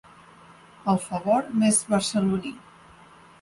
El favor més barceloní.